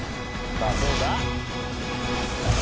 さぁどうだ？